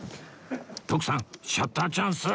徳さんシャッターチャンス